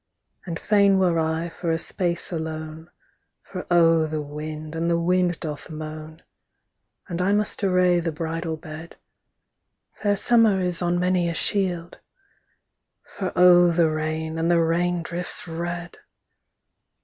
And fain were I for a space alone, For O the wind, and the wind doth moan. And I must array the bridal bed, Fair summer is on many a shield. For O the rain, and the rain drifts red!